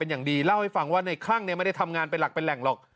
อย่างดีเล่าให้ฟังว่าในคลั่งไม่ได้ทำงานเป็นหลักเป็นแหล่งหรอก